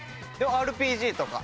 ＲＰＧとか。